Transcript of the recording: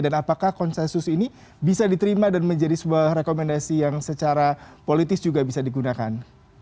dan apakah konsensus ini bisa diterima dan menjadi sebuah rekomendasi yang secara politis juga bisa digunakan